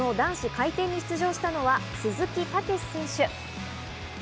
昨日、男子回転に出場したのは鈴木猛史選手。